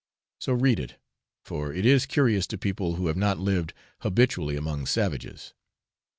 So read it, for it is curious to people who have not lived habitually among savages.